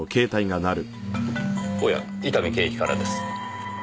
おや伊丹刑事からです。